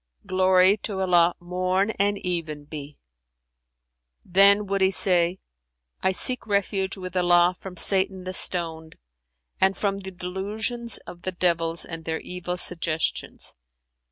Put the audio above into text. Glory to Allah morn and even be!' Then would he say, 'I seek refuge with Allah from Satan the Stoned and from the delusions of the Devils and their evil suggestions.'